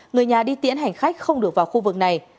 người nhà đi tiễn hành khách không được vào khu vực này